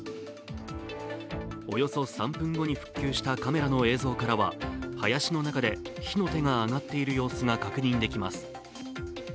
およそ３分後に復旧したカメラの映像からは林の中で火の手が上がっている様子が確認できます。